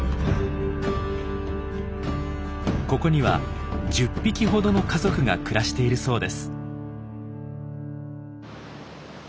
ここには１０匹ほどの家族が暮らしているそうです。